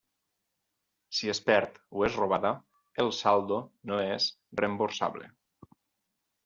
Si es perd o és robada, el saldo no és reemborsable.